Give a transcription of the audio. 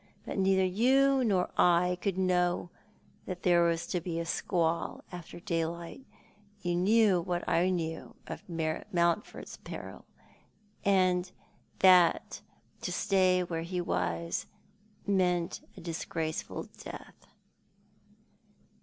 But neither you nor I could know that there was to be a squall after daylight. You kucw what I knew of Mountford's peril, and that to stay where he was might mean a disgraceful death."